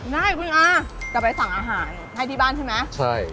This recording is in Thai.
ได้คุณอาจะไปสั่งอาหารให้ที่บ้านใช่ไหมใช่